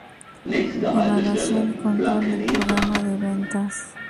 Evaluación y Control del programa de ventas.